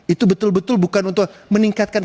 itu betul betul bukan untuk meningkatkan